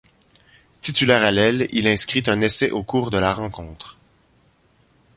Titulaire à l'aile, il inscrit un essai au cours de la rencontre.